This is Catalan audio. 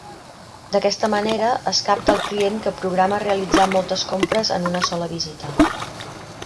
D'aquesta manera, es capta al client que programa realitzar moltes compres en una sola visita.